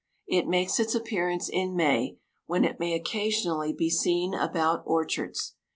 It makes its appearance in May, when it may occasionally be seen about orchards.